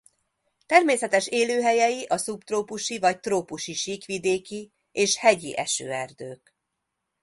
Természetes élőhelyei a szubtrópusi vagy trópusi síkvidéki- és hegyi esőerdők.